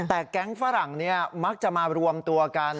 แต่แก๊งฝรั่งมักจะมารวมตัวกัน